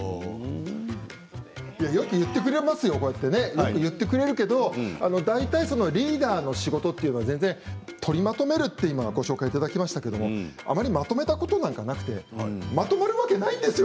よく言ってくれるけど大体そのリーダーの仕事っていうのは今取りまとめるとご紹介いただきましたけどあまりまとめたことはなくてまとまるわけないですよ